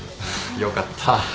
よかった。